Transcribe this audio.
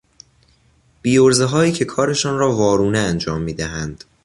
بیعرضههایی که کارشان را وارونه انجام میدهند